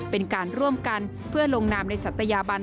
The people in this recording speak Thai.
เป็นการร่วมกันเพื่อลงนามในศัตยาบัน